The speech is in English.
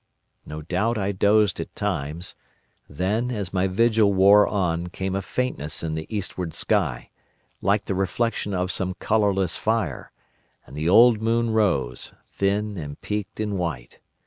No doubt I dozed at times. Then, as my vigil wore on, came a faintness in the eastward sky, like the reflection of some colourless fire, and the old moon rose, thin and peaked and white.